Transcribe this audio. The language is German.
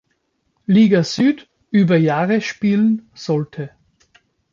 Liga Süd über Jahre spielen sollte.